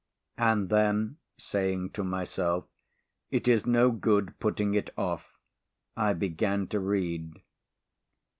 And then, saying to myself, "It is no good putting it off," I began to read.